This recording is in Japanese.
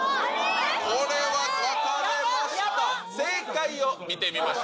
これは分かれました。